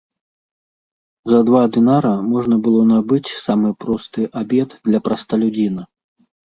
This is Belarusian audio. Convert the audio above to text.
За два дынара можна было набыць самы просты абед для прасталюдзіна.